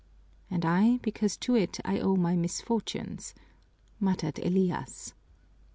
"And I, because to it I owe my misfortunes," muttered Elias.